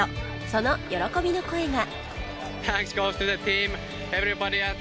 その喜びの声が